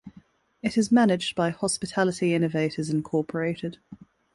It is managed by Hospitality Innovators Inc.